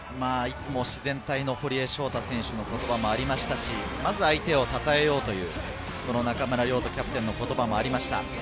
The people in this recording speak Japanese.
いつも自然体の堀江翔太選手の言葉もありましたし、まず相手をたたえようという中村亮土キャプテンの言葉もありました。